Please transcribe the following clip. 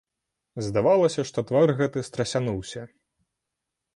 Здавалася, што твар гэты страсянуўся.